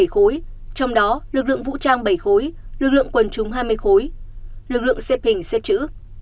trong đó lực lượng vũ trang bảy khối lực lượng quần chúng hai mươi khối lực lượng xếp bình xếp chữ